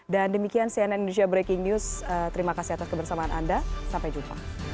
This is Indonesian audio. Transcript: dan demikian cnn indonesia breaking news terima kasih atas kebersamaan anda sampai jumpa